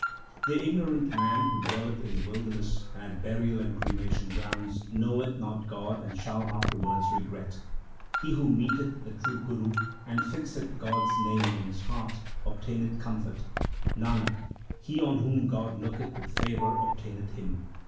The ignorant man who dwelleth in the wilderness and at burial and cremation grounds, knoweth not God and shall afterwards regret. He who meeteth the true Guru and fixeth God s name in his heart, obtaineth comfort. Nanak, he on whom God looketh with favour obtaineth Him.